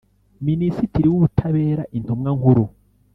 Minisitiri w Ubutabera Intumwa Nkuru